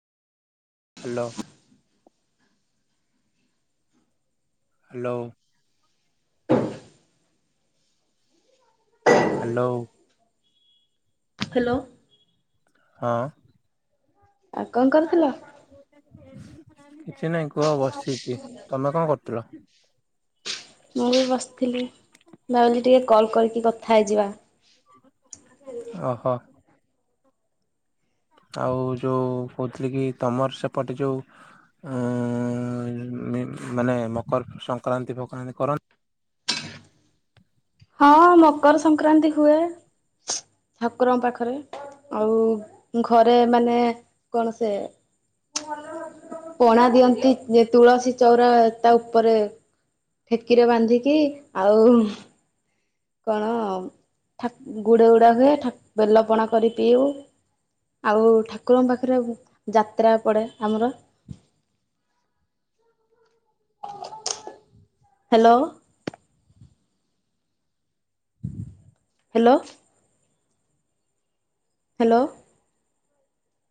Hello. Hello. Hello. Hello. ହଁ। ଆ କଣ କରୁଥିଲ। କିଛି ନାଇଁ କୁହ ବସିଚି ତମେ କଣ କରୁଥିଲ। ମୁଁ ବି ବସିଥିଲି ଭାବିଲି ଟିକେ କଲ୍ କରିକି କଥା ହେଇଯିବା। ଓହୋ। ଆଉ ଯେଉଁ କହୁଥିଲି କି ତମର ସେପଟେ ଯେଉଁ ଏଁ ଏଁ ମାନେ ମକର ସଂକ୍ରାନ୍ତି ଭକ୍ରାନ୍ତି କରନ୍ତି? ହଁ ମକର ସଂକ୍ରାନ୍ତି ହୁଏ ଠାକୁରଙ୍କ ପାଖରେ। ଆଉ ଘରେ ମାନେ କଣ ସେ ପଣା ଦିଅନ୍ତି ତୁଳସୀ ଚଉରା ତା ଉପରେ ଠେକିରେ ବାନ୍ଧିକି ଆଉ କଣ ଠାକ୍ ଗୁଡ଼ ଉଡ଼ା ହୁଏ ଠାକ୍ ବେଲପଣା କରି ପିଉ ଆଉ ଠାକୁରଙ୍କ ପାଖରେ ଯାତ୍ରା ପଡ଼େ ଆମର ହାଲୋ। ହାଲୋ। ହାଲୋ।